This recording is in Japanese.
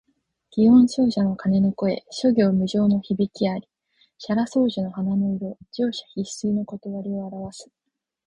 祇園精舎の鐘の声、諸行無常の響きあり。沙羅双樹の花の色、盛者必衰の理をあらわす。